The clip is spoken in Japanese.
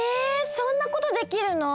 そんなことできるの？